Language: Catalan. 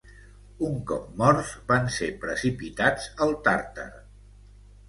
Un cop morts, van ser precipitats al Tàrtar.